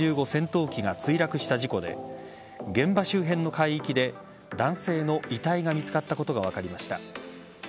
戦闘機が墜落した事故で現場周辺の海域で男性の遺体が見つかったことが分かりました。